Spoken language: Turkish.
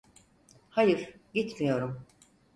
Hayır, gitmiyorum.